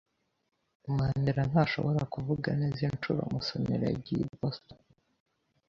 Mandera ntashobora kuvuga neza inshuro Musonera yagiye i Boston.